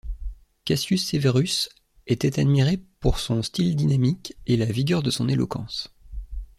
Cassius Severus était admiré pour son style dynamique et la vigueur de son éloquence.